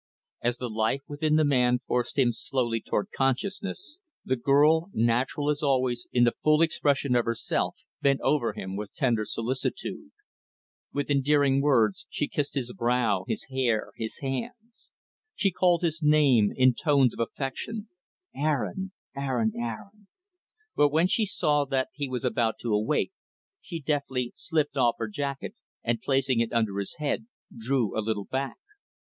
As the life within the man forced him slowly toward consciousness, the girl, natural as always in the full expression of herself, bent over him with tender solicitude. With endearing words, she kissed his brow, his hair, his hands. She called his name in tones of affection. "Aaron, Aaron, Aaron." But when she saw that he was about to awake, she deftly slipped off her jacket and, placing it under his head, drew a little back.